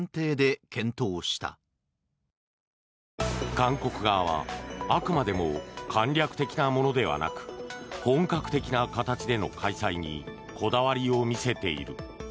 韓国側はあくまでも簡略的なものではなく本格的な形での開催にこだわりを見せている。